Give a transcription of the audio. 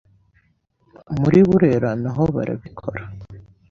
muri Burera naho barabikora